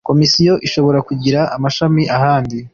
Komisiyo ishobora kugira amashami ahandi